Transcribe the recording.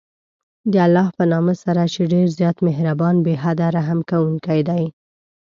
د الله په نامه سره چې ډېر زیات مهربان، بې حده رحم كوونكى دى.